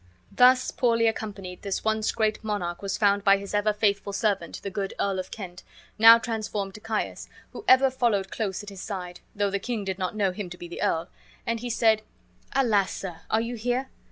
Thus poorly accompanied, this once great monarch was found by his ever faithful servant the good Earl of Kent, now transformed to Caius, who ever followed close at his side, though the king did not know him to be the earl; and be said: "Alas, sir, are you here?